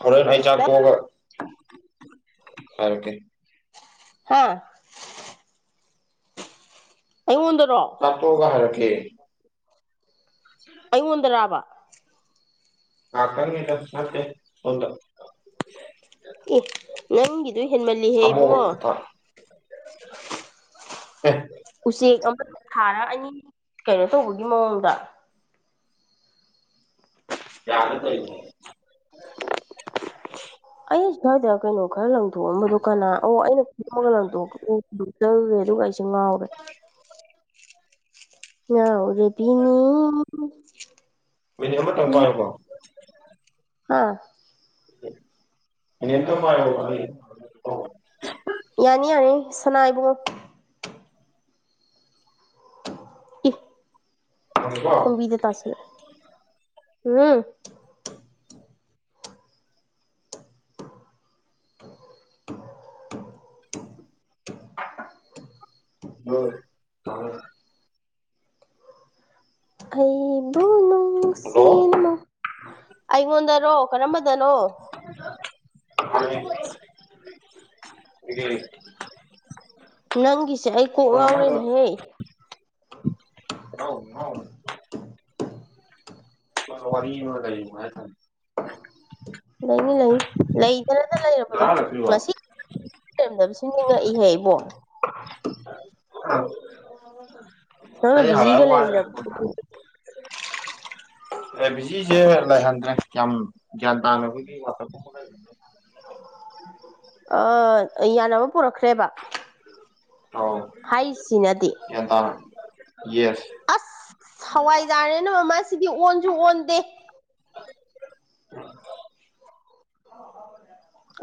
ꯐꯔ ꯍꯏ ꯆꯄꯒ ꯁꯔꯀꯦ ꯍꯥꯥ ꯑꯩꯉꯗ ꯍꯥꯇꯣꯒ ꯍꯥꯏꯔꯀꯦ ꯑꯩꯉꯣꯟꯗꯔꯥꯕ ꯀꯥ ꯀꯥꯔ ꯀꯦꯇꯠꯇꯦ ꯐꯗ ꯑꯦ ꯅꯪꯒꯤꯗꯨ ꯍꯦꯟꯃꯜꯂꯤꯍꯦ ꯏꯕꯨꯡꯉꯣ ꯎ ꯎꯆꯦꯛ ꯑꯃ ꯊꯥꯔ ꯑꯅꯤ ꯀꯩꯅꯣ ꯇꯧꯕꯒꯤ ꯃꯑꯣꯡꯗ ꯌꯥꯒ ꯑꯦ ꯁ꯭ꯋꯥꯏꯗ ꯀꯩꯅꯣ ꯈꯔ ꯂꯪꯊꯣꯛꯑꯝꯕꯗꯣ ꯀꯅꯥ ꯑꯣ ꯑꯩꯅ ꯈꯣꯝꯃꯒ ꯂꯪꯣꯛꯆꯔꯨꯒꯦ ꯑꯗꯨꯒ ꯆꯃ ꯍꯧꯔ ꯌꯥꯅꯥꯎ ꯔꯦꯕꯤꯅꯤ ꯃꯤꯅꯤꯃ ꯇꯄꯥꯃꯣ ꯍꯥꯥ ꯏꯇꯣ ꯃꯥꯔꯅꯤ ꯁꯅꯥꯏꯕꯨꯡꯉꯣ ꯏ ꯊꯝꯃꯦꯀꯣ ꯈꯝꯕꯤꯗ ꯇꯥꯁꯂ ꯎꯝ ꯍꯣꯏ ꯍ ꯑꯩꯕꯨ ꯍꯗꯣ ꯑꯩꯉꯣꯟꯗꯅꯣ ꯀꯔꯝꯕꯗꯅꯣ ꯎ ꯅꯪꯒꯤꯁꯦ ꯑꯩ ꯀꯣꯛ ꯉꯥꯎꯔꯦꯅꯦꯍꯦ ꯑꯥꯎ ꯍ ꯋꯥꯔꯤ ꯂꯩꯅꯨꯡ ꯌꯥ ꯊ ꯂꯩꯅꯤ ꯂꯩꯅꯤ ꯂꯩꯗꯅꯇ ꯗꯗꯥ ꯂꯩꯔꯕꯗꯣ ꯍꯜꯂꯛꯇ꯭ꯔꯤꯕꯣ ꯃꯁꯤ ꯂꯩꯔꯝꯗꯕꯁꯤ ꯅꯤꯡꯉꯛꯏꯍꯦ ꯏꯕꯣ ꯑ ꯅꯪꯅ ꯑꯩ ꯍ ꯕꯤꯖꯤꯒ ꯋꯥ ꯂꯩꯔꯝꯗꯕꯁꯤ ꯑꯦ ꯕꯤꯖꯤꯁꯦ ꯂꯩꯥꯏꯍꯟꯗ꯭ꯔꯦ ꯌꯥꯝꯌꯥꯝ ꯒ꯭ꯌꯥꯟ ꯇꯥꯅꯕꯒꯤ ꯑ [unintelligible] ꯌꯥꯅꯕ ꯄꯨꯔꯛꯈ꯭ꯔꯦꯕ ꯑꯧ ꯍꯥꯏꯁꯤꯅꯗꯤ ꯒ꯭ꯌꯥꯟ ꯇꯥꯅ ꯌꯦꯁ ꯑꯁ ꯍꯋꯥꯏꯖꯥꯔꯦꯅ ꯃꯃꯥꯁꯤꯗꯤ ꯑꯣꯟꯁꯨ ꯑꯣꯟꯗꯦ ꯎꯝ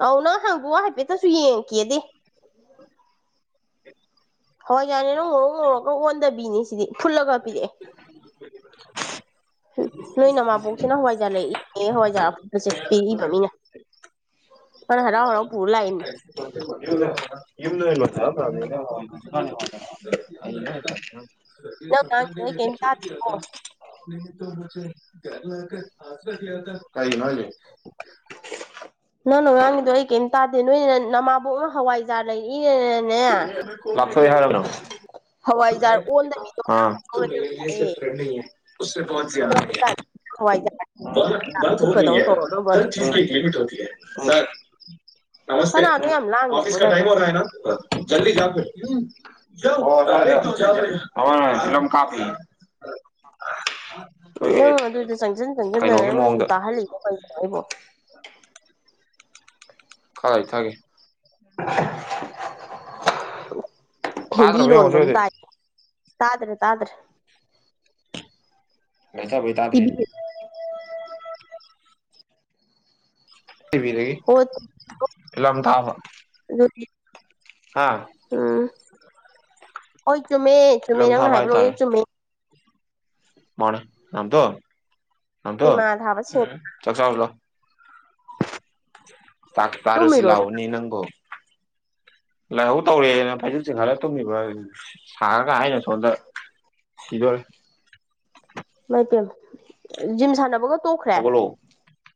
ꯑ ꯅꯪ ꯍꯪꯕ ꯍꯥꯏꯐꯦꯠꯇꯁꯨ ꯌꯦꯡꯈꯤꯦꯗꯤ ꯍꯣꯏ ꯌꯥꯅꯤ ꯅꯣ ꯉꯧꯔ ꯉꯧꯔꯒ ꯑꯣꯟꯗꯕꯤꯅꯤ ꯁꯤꯗꯤ ꯐꯨꯜꯂꯒ ꯄꯤꯔꯛꯑꯦ [unintelligible] ꯅꯣꯏ ꯅ ꯃꯥꯥꯕꯣꯛꯁꯤꯅ ꯍꯋꯥꯏꯖꯥꯔ ꯂꯩꯏꯅꯦꯦ ꯍꯋꯥꯏꯖꯥꯔ ꯑꯐꯨꯕꯁꯦ ꯄꯤꯏꯕ ꯃꯤꯅ ꯑꯗꯨꯅ ꯍꯔꯥꯎ ꯍꯔꯥꯎ ꯄꯨꯔ ꯂꯥꯛꯏꯅꯤ [unintelligible] ꯏ ꯁ ꯅꯪ ꯃꯗꯤ ꯉꯥꯡꯉꯤꯗꯣ ꯑꯩ ꯀꯩꯝ ꯍꯧꯁꯦ ꯇꯥꯗꯦꯀꯣ ꯔ ꯀ ꯅꯅꯥ ꯅꯪꯅꯣ ꯉꯥꯡꯒꯤꯗꯣ ꯑꯩ ꯀꯩꯝ ꯇꯥꯗꯦ ꯅꯣꯏꯅ ꯅꯃꯥꯕꯣꯛ ꯑꯃ ꯍꯋꯥꯏꯖꯥꯔ ꯂꯩ ꯅꯦ ꯂꯥꯞꯊꯣꯛꯑꯦ ꯍꯥꯏꯔꯕ꯭ꯔꯣ ꯍꯋꯥꯏꯖꯥꯔ ꯑꯣꯟꯗꯕꯤꯗꯣꯔꯔ ꯂꯥꯛꯑꯦ ꯦ ꯄꯣꯅꯁꯤꯌꯥꯗ ꯂꯩ ꯍꯋꯥꯏꯖꯥꯔ ꯐꯨꯠꯄꯗꯧ ꯍꯅ ꯇꯧꯔꯒꯕ ꯍꯔ ꯆꯤꯖꯀꯤ ꯂ ꯂꯤꯃꯤꯠ ꯍ ꯅꯃꯁꯦ ꯀꯅꯥꯅꯣ ꯌꯥꯝ ꯂꯥꯡꯉꯤꯗꯨꯕꯣ ꯑꯣꯐꯤꯁ ꯀ ꯑꯗꯥꯏ ꯇꯥꯏꯝ ꯑꯣꯏꯔ ꯅ ꯀꯥꯐꯤ [unintelligible] ꯎ ꯎꯪ ꯑꯗꯨꯗꯣ ꯆꯪꯁꯤꯟ ꯆꯪꯁꯤꯟꯗꯅ ꯀꯩꯅꯣꯒꯤ ꯅꯪꯅ ꯁꯨꯝ ꯃꯑꯣꯡꯗ ꯇꯥꯍꯜꯂꯤꯩꯅ ꯑꯩꯕꯣ [unintelligible] ꯐꯔ ꯊꯒꯦ ꯍꯤꯟꯗꯤ ꯂꯣꯟꯕ ꯌꯦꯡꯉꯣꯁꯤ ꯑꯃ ꯍꯧꯖꯤꯛ ꯇꯥꯏ ꯇꯥꯗ꯭ꯔꯦ ꯇꯥꯗ꯭ꯔꯦ ꯀꯩꯇꯕꯩ ꯇꯥꯗ꯭ꯔꯔꯤꯅꯤ ꯇꯤꯚꯤ ꯇꯕꯤ ꯍꯣ ꯐꯂꯝ ꯊꯥꯃ ꯑꯗꯨꯗꯤ ꯍꯥꯥ ꯎꯝ ꯍꯣꯏ ꯆꯨꯝꯃꯦ ꯆꯨꯝꯃꯦ ꯐꯤꯂꯝ ꯅꯪꯅ ꯊꯥꯕ ꯍꯥꯏꯕ ꯂꯣꯏ ꯆꯨꯝꯃꯦ ꯃꯥꯅ ꯅꯥꯎꯇꯣꯟ ꯅꯦꯎꯇꯣꯟ ꯏꯃꯥ ꯊꯥꯕ ꯁꯦꯟ ꯆꯥꯛ ꯆꯥꯎꯁꯤ ꯂꯥꯛꯑꯣ ꯇꯥꯛꯁ ꯇꯔꯨꯁꯤ ꯇꯨꯝꯃꯤꯔꯣ ꯑꯗꯨꯅ ꯂꯛꯑꯣꯅꯦ ꯅꯪꯕꯣ [inaudible] ꯂꯥꯏꯍꯧ ꯇꯧꯔꯦꯗꯅ ꯐꯩꯖꯨꯞ ꯆꯤꯡꯈꯠꯂ ꯇꯨꯝꯃꯤꯕꯗꯨꯅꯤ ꯁꯥꯔꯒ ꯑꯩꯅ ꯁꯣꯝꯗ ꯁꯤꯗꯣꯔꯦ ꯏꯃꯥꯏ ꯄꯦꯝꯃ ꯖꯤꯝ ꯁꯥꯟꯅꯕꯒ ꯇꯣꯛꯈ꯭ꯔꯦ ꯍꯧꯒꯠꯂꯣ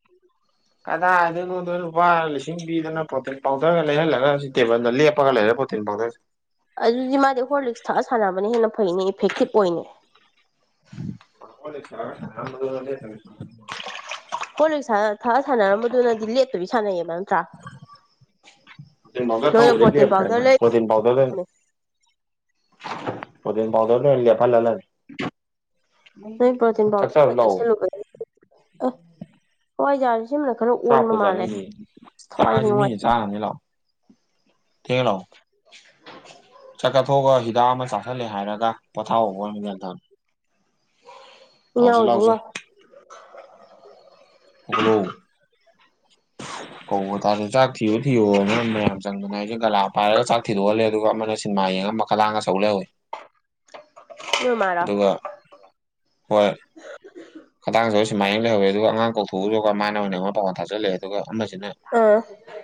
[inaudible] ꯀꯗꯥꯏꯗꯩꯅꯣꯗꯣ ꯂꯨꯄꯥ ꯂꯤꯁꯤꯡ ꯄꯤꯗꯅ ꯄ꯭ꯔꯣꯇꯤꯟ ꯄꯥꯎꯗꯔꯒ ꯂꯩꯍꯜꯂꯒ ꯇꯦꯕꯜꯗ ꯂꯦꯞꯄꯒ ꯂꯩꯔꯦ ꯄ꯭ꯔꯣꯇꯤꯟ ꯄꯥꯎꯗꯔꯁꯤ ꯑꯗꯨꯗꯤ ꯃꯥꯗꯤ ꯍꯣꯔ ꯂꯤꯛꯁ ꯊꯛꯑ ꯁꯥꯟꯅꯕꯅ ꯍꯦꯟꯅ ꯐꯩꯅꯦ ꯏꯐꯦꯛꯇꯤꯞ ꯑꯣꯏꯅꯦ ꯍꯣꯔ ꯂꯤꯛꯁ ꯊꯛꯑ ꯁꯥꯟꯅ [unintelligible] ꯍꯣꯔ ꯊꯛꯑ ꯊꯛꯑ ꯁꯥꯟꯅꯔꯝꯕꯗꯨꯅꯗꯤ ꯂꯦꯞꯇꯕꯤ ꯁꯥꯟꯅꯩꯌꯦꯕ ꯅꯠꯇ꯭ꯔꯥ ꯄ꯭ꯔꯣꯇꯤꯟ ꯄꯥꯎꯗꯔ ꯅꯣꯏꯅ ꯊꯛꯎꯕꯗꯩ ꯄ꯭ꯔꯣꯇꯤꯟ ꯄꯥꯎꯗꯔ ꯂꯦꯞꯈ꯭ꯔꯦꯅꯦ ꯄ꯭ꯔꯣꯇꯤꯟ ꯄꯥꯎꯗꯔꯒ ꯂꯩꯔꯨꯕꯅꯦ ꯄ꯭ꯔꯣꯇꯤꯟ ꯄꯥꯎꯗꯣꯔꯗ ꯑꯣꯏꯅ ꯂꯦꯞꯍꯟꯂꯗꯕꯅꯤ ꯍꯦꯛ ꯄ꯭ꯔꯣꯇꯤꯟ ꯆꯥꯛ ꯄꯥꯎꯗꯔ ꯆꯥꯔꯨ ꯂꯥꯛꯑꯣ [unintelligible] ꯍꯋꯥꯏꯖꯥꯔ ꯁꯦ ꯁꯤꯝꯅ ꯈꯔ ꯑꯣꯟꯕ ꯆꯥꯛꯄꯨ ꯃꯥꯜꯂꯦ ꯆꯥꯅꯤꯡꯗꯦ ꯊꯋꯥꯏꯁꯦ ꯅꯨꯡꯉꯥꯏꯇꯦ ꯀꯩ ꯍꯥꯏꯅꯣ [inaudible] ꯆꯥꯛ ꯆꯥꯊꯣꯛꯑꯒ ꯍꯤꯗꯥꯛ ꯑꯃ ꯆꯥꯥꯁꯜꯂꯦ ꯍꯥꯏꯔꯒ ꯄꯣꯊꯥꯔꯣ ꯒ꯭ꯌꯥꯟ ꯇꯥꯅ ꯂꯥꯛꯑꯣꯁꯦ ꯂꯥꯛꯑꯣꯁꯦ [unintelligible] ꯍꯧꯒꯠꯂꯣ [unintelligible] ꯆꯥꯛ ꯊꯤꯔꯣ ꯊꯤꯔꯣ ꯅ ꯃꯌꯥꯝ ꯃꯌꯥꯝ ꯆꯪꯗꯅ ꯑꯩꯁꯦ ꯀꯂꯥ ꯄꯥꯏꯔꯒ ꯆꯥꯛ ꯊꯤꯗꯣꯛꯍꯜꯂꯦ ꯑꯗꯨꯒ ꯑꯃꯅ ꯁꯤꯟꯃꯥ ꯌꯦꯡꯉ ꯃꯈꯂꯥꯡꯒ ꯁꯧ ꯂꯩꯍꯧꯋꯤ ꯅꯣꯏ ꯃꯥꯔꯣ ꯍꯣꯏ ꯈꯗꯥꯡꯁꯨ ꯁꯨꯃꯥꯏꯅ ꯂꯩꯍꯧꯋꯦ ꯑꯗꯨꯒ ꯑꯉꯥꯡ ꯀꯧꯊꯣꯛꯎꯔꯒ ꯃꯥꯅ ꯑꯣꯏꯅ ꯑꯩꯉꯣꯟꯗ ꯄꯥꯎꯈꯣꯟ ꯊꯥꯆꯜꯂꯑꯦ ꯑꯗꯨꯒ ꯑꯃꯁꯤꯅ ꯑꯥ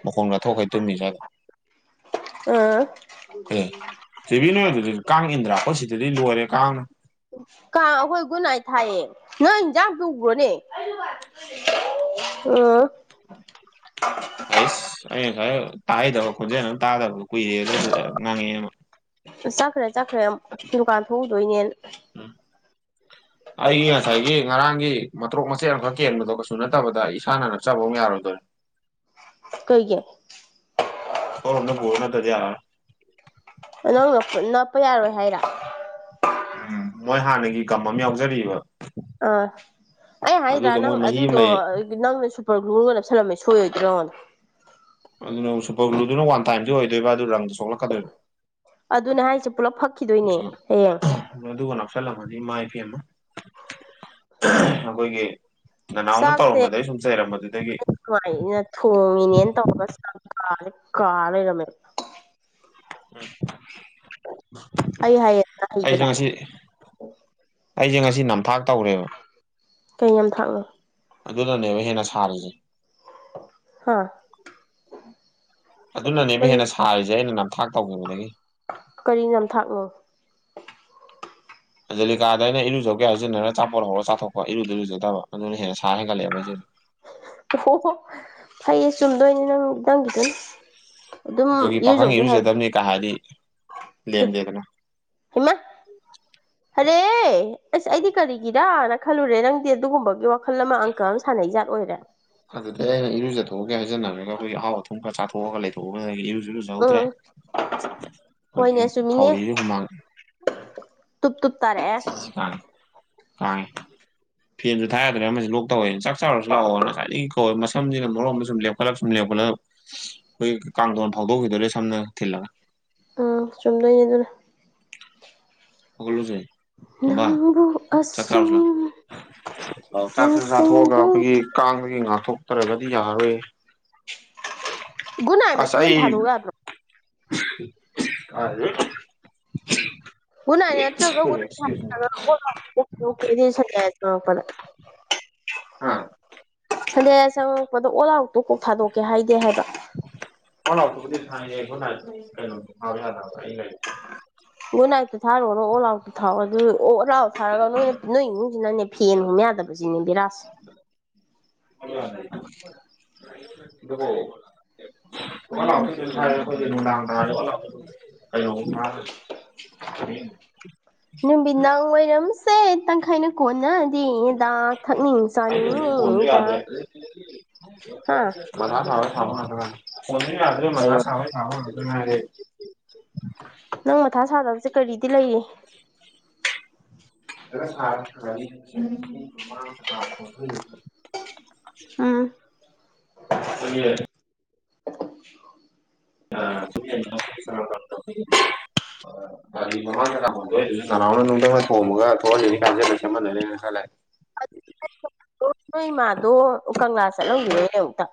ꯃꯈꯣꯡ ꯂꯥꯎꯊꯣꯛꯈꯩ ꯇꯨꯝꯃꯤꯁꯦ ꯍꯥꯏꯕ ꯑꯥ ꯑꯦ ꯇꯤꯚꯤ ꯅꯨꯡꯉꯥꯏꯇ꯭ꯔꯗꯤ ꯀꯥꯡ ꯏꯟꯗ꯭ꯔꯥ ꯑꯈꯣꯏ ꯁꯤꯗꯗꯤ ꯂꯣꯏꯔꯦ ꯀꯥꯡꯅ ꯀꯥꯡ ꯑꯩꯈꯣꯏ ꯒꯨꯠꯅꯥꯥꯏꯠ ꯊꯥꯏꯌꯦ ꯅꯣꯏ ꯏꯟꯖꯥꯡ ꯄꯨꯒ꯭ꯔꯣꯅꯦ [unintelligible] ꯎꯝ ꯍꯩꯁ ꯑꯩꯅ ꯈꯔ ꯇꯥꯍꯩꯗꯕ ꯈꯣꯟꯖꯦꯜ ꯑꯃ ꯇꯥꯗꯕꯗꯣ ꯀꯨꯏꯔꯦ ꯑ ꯑꯗꯨ ꯑꯗꯨ ꯉꯥꯡꯉꯛꯑꯦ ꯑꯃ ꯆꯠꯈ꯭ꯔꯦ ꯆꯠꯈ꯭ꯔꯦ ꯗꯨꯀꯥꯟ ꯊꯣꯛꯎꯗꯣꯏꯅꯦꯅ ꯎꯝ ꯑꯩꯒꯤ ꯉꯁꯥꯏꯒꯤ ꯉꯔꯥꯡ ꯒꯤ ꯃꯇ꯭ꯔꯣꯛ ꯃꯆꯦꯠ ꯑꯃꯈꯛ ꯀꯦꯟꯕꯗꯣ ꯀꯩꯁꯨ ꯅꯠꯇꯕꯗ ꯏꯁꯥꯅ ꯅꯞꯆꯕ ꯑꯃ ꯌꯥꯔꯣꯏꯗꯣꯏꯔꯦ ꯀꯩꯒꯤ ꯁꯣꯔꯨꯝꯗ ꯄꯨꯔꯣ ꯅꯠꯇ꯭ꯔꯗꯤ ꯌꯥꯔꯔꯣꯏ ꯅꯪꯅ ꯅꯞ ꯅꯞꯄ ꯌꯥꯔꯣꯏ ꯍꯥꯏꯔꯣ ꯎꯝ ꯃꯣꯏ ꯍꯥꯟꯅꯒꯤ ꯒꯝ ꯑꯃ ꯌꯥꯎꯖꯔꯤꯕꯥ ꯑꯥ ꯑꯩ ꯍꯥꯏꯗ꯭ꯔꯥ ꯅꯪ ꯃꯣꯏ ꯃꯍꯤ ꯑꯃ ꯑꯗꯨꯗꯣ ꯂꯩꯌꯦ ꯅꯪꯅ ꯁꯨꯄꯔ ꯒ꯭ꯂꯨꯒ ꯆꯞꯜꯂꯝꯃꯦ ꯁꯣꯏꯔꯣꯏꯗ꯭ꯔꯣꯅ ꯑꯗꯨꯅ ꯁꯨꯄꯔ ꯒ꯭ꯂꯨꯗꯨꯅ ꯋꯥꯟ ꯇꯥꯏꯝꯗꯤ ꯑꯣꯏꯗꯣꯏꯕ ꯑꯗꯨ ꯔꯪꯗꯨꯁꯨ ꯑꯗꯨꯅ ꯍꯥꯏꯁꯦ ꯄꯨꯂꯞꯛ ꯎꯝ ꯃ ꯑꯗꯨ ꯀꯅ ꯆꯜꯂꯝꯃꯅꯤ ꯏꯃꯥꯏ ꯏꯕꯤ ꯑꯃ ꯑꯩꯈꯣꯏꯒꯤ ꯅꯅꯥꯎꯅ ꯆꯥꯛꯁꯦ ꯇꯧꯔꯝꯕꯗꯩ ꯁꯨꯝ ꯆꯩꯔꯝꯕꯗꯨꯗꯒꯤ ꯅꯨꯡꯉꯥꯏꯅ ꯊꯣꯡꯉꯤꯅꯦꯅ ꯇꯧꯕꯔꯒ ꯆꯥꯛ ꯀꯥꯂꯤ ꯀꯥ ꯂꯩꯔꯝꯃꯦꯕ ꯎꯝ ꯑꯩ ꯍꯥꯏ ꯑꯩꯁꯦ ꯄ ꯉꯁꯤ ꯑꯩꯁꯦ ꯉꯁꯤ ꯅꯝꯊꯥꯛ ꯇꯧꯔꯦꯕ ꯀꯩ ꯌꯥꯝ ꯊꯥꯛꯅꯣ ꯑꯗꯨꯅꯅꯦꯕ ꯍꯦꯟꯅ ꯁꯥꯔꯤꯁꯦ ꯍꯥ ꯑꯗꯨꯅꯅꯦꯕ ꯀꯔꯤ ꯍꯦꯟꯅ ꯁꯥꯔꯤꯁꯦ ꯑꯩꯅ ꯅꯝꯊꯥꯛ ꯇꯧꯈꯤꯕꯗꯒꯤ ꯀꯔꯤ ꯅꯝꯊꯥꯛꯅꯣ ꯑꯖꯂꯤꯀꯥꯗ ꯑꯩꯅ ꯏꯔꯨꯖꯧꯒꯦ ꯍꯥꯏꯖꯤꯟꯅꯔꯒ ꯆꯆꯥꯄꯣꯠ ꯍꯧꯔ ꯆꯥꯊꯣꯛꯄ ꯏꯔꯨꯗ ꯏꯔꯨꯖꯗꯕ ꯑꯗꯨꯅ ꯍꯦꯟꯅ ꯁꯥ ꯍꯦꯟꯒꯠꯂꯛꯦꯕ ꯑꯩ ꯁꯤꯁꯤꯗꯤ ꯑꯣꯣ ꯐꯩꯌꯦ ꯆꯨꯝꯗꯣꯏꯅꯤ ꯅꯪ ꯅꯪꯒꯤꯗꯪ ꯑꯩꯈꯣꯏꯒꯤ ꯄꯥꯈꯪ ꯏꯔꯨꯖꯗꯕꯅꯤ ꯀꯥ ꯍꯥꯏꯗꯤ ꯅꯠꯇꯦ ꯂꯦꯝꯗꯦꯗꯅ ꯑꯔꯦ ꯑꯁ ꯑꯩꯗꯤ ꯀꯔꯤꯒꯤꯔꯅ ꯈꯜꯂꯨꯔꯦ ꯅꯪꯗꯤ ꯑꯗꯨꯒꯨꯝꯕꯒꯤ ꯋꯥꯈꯜ ꯑꯃ ꯑꯪꯀꯜ ꯑꯃ ꯁꯥꯟꯅꯩꯖꯥꯠ ꯑꯣꯏꯔ ꯑꯗꯨꯗ ꯑꯩꯅ ꯏꯔꯨꯖꯠꯊꯣꯛꯑꯒꯦ ꯍꯥꯏꯖꯅꯔꯒ ꯑꯩꯈꯣꯏꯒꯤ ꯑꯍꯥꯎ ꯑꯊꯨꯝ ꯈ ꯆꯥꯊꯣꯛꯑꯒ ꯂꯩꯊꯣꯛꯑꯒ ꯏꯔꯨ ꯂꯨꯖꯍꯧꯗ꯭ꯔꯦ ꯎꯝ ꯍꯣꯏꯅꯦ ꯍꯧꯖꯤꯛ ꯆꯨꯝꯃꯤꯅꯦ ꯈꯥꯎꯔꯤꯗꯤ ꯍꯨꯃꯥꯡ ꯇꯨꯞ ꯇ ꯁꯤ ꯀꯥꯏꯉꯦ ꯀꯥꯏꯉꯦ ꯐꯦꯟꯁꯨ ꯊꯥꯔꯗ꯭ꯔꯅ ꯑꯃꯁ ꯂꯣꯛ ꯇꯧꯦꯅ ꯆ ꯔ ꯆ ꯀ ꯁꯝꯁꯤꯅ ꯃꯔꯣꯗ ꯁꯨꯝ ꯂꯦꯞꯈꯠꯂꯒ ꯁꯨꯝ ꯂꯦꯞꯄꯠꯂ ꯑꯩꯈꯣꯏ ꯀꯥꯡꯊꯣꯟ ꯐꯥꯎꯗꯣꯛꯈꯤꯗꯣꯔꯦ ꯁꯝꯅ ꯊꯤꯜꯂꯒ ꯑꯥ ꯆꯨꯝꯗꯣꯏꯅꯦ ꯑꯗꯨꯅ ꯑꯒꯂꯨꯁ ꯅꯪꯕꯨ ꯆꯀꯁꯂ ꯑꯁꯨꯝ ꯆꯥꯛꯁ ꯆꯥꯊꯣꯛꯑꯒ ꯅꯤꯡꯁꯤꯡꯗꯨꯅ ꯑꯩꯈꯣꯏꯒꯤ ꯀꯥꯡ ꯑꯩꯈꯣꯏꯒꯤ ꯉꯥꯛꯊꯣꯛꯇꯔꯒꯗꯤ ꯌꯥꯔꯣꯏ ꯨꯅꯥ ꯍꯥꯏ ꯃ ꯌꯦꯟ ꯊ ꯍꯥꯏꯗꯒꯗ꯭ꯔꯣ ꯑ [unintelligible] ꯒꯟꯅꯥꯏ ꯅꯠꯇ꯭ꯔꯒ ꯒꯦ ꯃꯤ ꯑ ꯄꯅꯦ ꯁꯟꯗꯦ ꯑ ꯆꯪꯉꯛꯄꯗ ꯑꯣꯂꯥꯛꯇ ꯀꯣꯛ ꯊꯥꯗꯣꯛꯀꯦ ꯍꯥꯏꯗꯦ ꯍꯥꯏꯕ ꯐꯅꯥꯎꯇ ꯊꯥꯎ ꯌꯥꯗ ꯀ ꯑꯅꯥꯛꯇ ꯊꯔꯨꯔꯅꯣ ꯑꯣꯂꯥꯎꯇ ꯊꯥꯎꯑꯣ ꯑꯗꯨ ꯑꯣꯂ ꯂꯥꯎ ꯊꯥꯔꯒ ꯅꯣꯏ ꯅꯣꯏ ꯏꯅꯨꯡꯁꯤꯅꯅꯦ ꯐꯦꯟ ꯍꯨꯝ ꯌꯥꯗꯕꯁꯤꯅꯦ ꯕꯤꯔꯥꯁ ꯍꯣ ꯀ ꯅꯨ ꯅꯨꯃꯤꯅꯥꯎ ꯑꯣꯏꯔꯝꯁꯦ ꯇꯪꯈꯥꯏꯅ ꯀꯣꯟꯅ ꯐ ꯌꯥꯗ꯭ꯔꯦ ꯍꯥ ꯃ ꯍꯥꯁ ꯑ ꯥꯎ ꯌꯥ ꯑꯗꯨ ꯃꯖꯥ ꯀꯩꯅꯣ ꯊꯔꯦ ꯅꯪ ꯃꯊꯥ ꯁꯥꯗꯕꯁꯦ ꯀꯔꯤꯗꯤ ꯂꯩꯔꯤ ꯁꯥ ꯎꯝ ꯑꯦ [unintelligible] [unintelligible] [unintelligible] ꯅꯣꯏ ꯏꯃꯥꯗꯣ ꯎ ꯀꯪꯂꯥꯁ ꯂꯧꯒꯔ ꯑꯃꯨꯛꯇ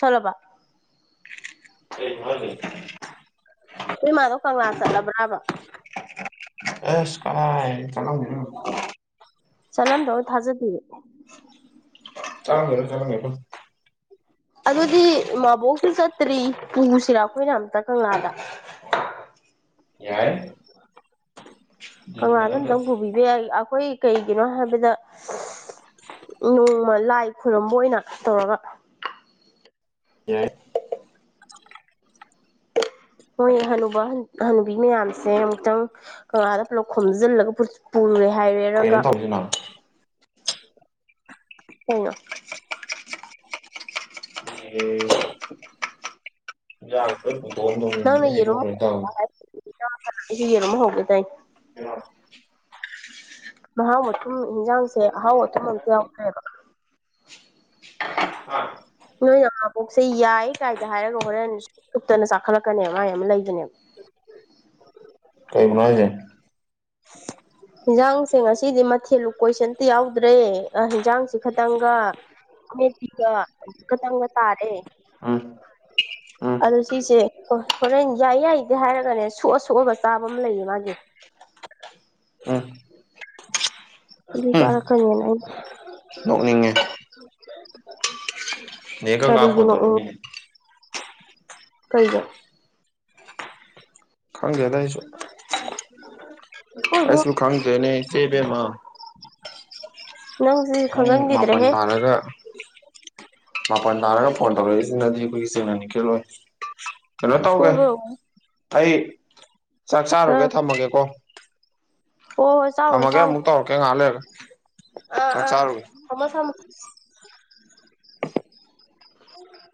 ꯁꯂꯕ [unintelligible] ꯏꯃꯥꯗꯣ ꯀꯪꯂꯥ ꯆꯠꯂꯕ꯭ꯔꯥꯕ ꯑꯁ ꯀꯔꯥꯏ ꯆꯠꯂꯝꯒꯤꯔꯣꯏ ꯆꯠꯂꯝꯗꯕ ꯊꯥꯖꯗꯤꯌꯦ [unintelligible] ꯑꯗꯨꯗꯤ ꯃꯕꯣꯛꯁꯨ ꯆꯠꯇ꯭ꯔꯤ ꯄꯨꯁꯤꯔꯥ ꯑꯩꯈꯣꯏꯅ ꯑꯝꯇ ꯀꯪꯂꯥꯗ ꯌꯥꯏ ꯀꯪꯂꯥꯗ ꯑꯝꯇꯪ ꯄꯨꯕꯤꯕ ꯌꯥꯏ ꯑꯩꯈꯣꯏ ꯀꯩꯒꯤꯅꯣ ꯍꯥꯏꯕꯗ ꯅꯣꯡꯃ ꯂꯥꯏ ꯈꯨꯔꯨꯝꯝꯕ ꯑꯣꯏꯅ ꯇꯧꯔꯒ ꯌꯥꯏ ꯍꯣꯏꯨ ꯍꯅꯨꯕꯤ ꯃꯌꯥꯝꯁꯦ ꯑꯃꯨꯛꯇꯪ ꯀꯪꯂꯥꯗ ꯄꯨꯂꯞ ꯈꯣꯝꯖꯤꯜꯂꯒ ꯄꯨꯔꯦ ꯍꯥꯏꯔꯦꯔꯒ ꯀꯩꯅꯣ ꯇꯧꯔꯤꯁꯤꯅ ꯎ ꯖꯔꯈ ꯅꯪꯅ ꯌꯦꯔ ꯑꯩꯁꯨ ꯌꯦꯔꯣꯃ ꯍꯧꯒꯦ ꯇꯥꯏ ꯑ ꯃꯍꯥꯎ ꯑꯊꯨꯝ ꯌꯦꯟꯖꯥꯡꯁꯦ ꯑꯍꯥꯎ ꯑꯊꯨꯝ ꯑꯝꯇ ꯌꯥꯎꯈ꯭ꯔꯦꯕ ꯎꯝ ꯅꯣꯏ ꯌꯥ ꯀꯣꯛꯁꯦ ꯌꯥꯏ ꯀꯥꯏꯗ ꯍꯥꯏꯔꯒ ꯍꯣꯔꯦꯟ ꯎꯨꯞꯇꯅ ꯆꯥꯛꯈꯠꯂꯛꯀꯅꯦꯕ ꯃꯥꯏ ꯑꯃ ꯂꯩꯕꯅꯦꯕ ꯀꯥꯏꯁꯦ ꯏꯟꯖꯥꯡꯁꯦ ꯉꯁꯤꯗꯤ ꯃꯊꯦꯜ ꯂꯨ ꯀꯣꯏꯁꯟꯇ ꯌꯥꯎꯗ꯭ꯔꯦ ꯌꯦꯟꯖꯥꯡꯁꯤ ꯈꯈꯤꯇꯪꯒ ꯑꯃꯦꯀꯤꯤꯒ ꯈꯇꯪꯒ ꯇꯥꯔꯦ ꯎꯝ ꯑꯗꯨꯣ ꯁꯤꯁꯦ ꯍꯣꯔꯦꯟ ꯌꯥꯏ ꯌꯥꯏꯗꯦ ꯍꯥꯏꯔꯒꯅꯦ ꯑꯁꯣꯛ ꯑꯁꯣꯛꯑꯕ ꯆꯥꯕ ꯑꯃ ꯂꯩꯌꯦ ꯃꯥꯒꯤ ꯎꯝ ꯑꯗꯨꯄꯥꯔ ꯈꯅꯤꯅ ꯏ ꯅꯣꯛꯅꯤꯡꯅꯦ ꯅꯦ ꯒꯪꯒꯥ ꯐꯟ ꯀꯔꯤꯒꯤꯅꯣ ꯇꯧꯔꯛꯑꯝꯃꯤ ꯀꯩꯗꯣ ꯈꯥꯡꯗꯦꯗꯁꯨ ꯁꯣꯏꯔꯣ ꯇꯁꯨ ꯈꯥꯡꯗ ꯅꯪꯁꯤ ꯄꯨꯡ ꯃꯥꯄꯜ ꯈꯪꯒꯟꯈꯤꯗ꯭ꯔꯦꯍꯦ ꯇꯥꯜꯂꯒ ꯃꯥꯄꯜ ꯇꯥꯔꯒ ꯐꯣꯟ ꯇꯧꯔꯛꯏꯁꯤꯅꯗꯤ ꯑꯩꯈꯣꯏꯒꯤ ꯁꯦꯡꯅꯅꯤ ꯀꯦꯜꯂꯣꯏ ꯀꯩꯅꯣ ꯇꯧꯒꯦ ꯁꯣꯏꯕ ꯑꯩ ꯆꯥꯛ ꯆꯥꯔꯨꯒꯦ ꯊꯝꯃꯒꯦꯀꯣ ꯑꯣ ꯆꯋꯣ ꯊꯝꯃꯒꯦ ꯆꯥꯎ ꯑꯃꯨꯛ ꯇꯧꯔꯛꯀꯦ ꯉꯥꯏꯍꯥꯛ ꯂꯩꯔꯒ ꯑꯥ ꯆꯥꯛ ꯑꯥ ꯆꯥꯔꯨꯒꯦ ꯊꯃꯁ